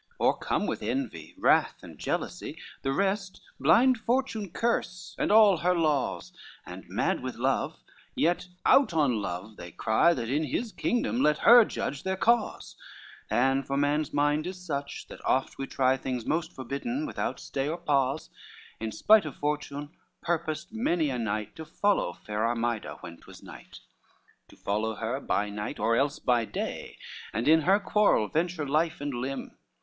LXXVI O'ercome with envy, wrath and jealousy, The rest blind Fortune curse, and all her laws, And mad with love, yet out on love they cry, That in his kingdom let her judge their cause: And for man's mind is such, that oft we try Things most forbidden, without stay or pause, In spite of fortune purposed many a knight To follow fair Armida when 'twas night. LXXVII To follow her, by night or else by day, And in her quarrel venture life and limb.